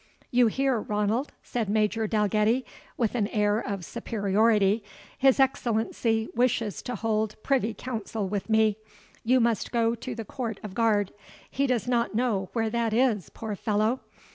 "You hear, Ranald," said Major Dalgetty, with an air of superiority, "his Excellency wishes to hold privy council with me, you must go to the court of guard. He does not know where that is, poor fellow!